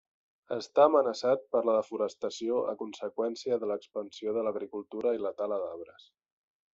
Està amenaçat per la desforestació a conseqüència de l'expansió de l'agricultura i la tala d'arbres.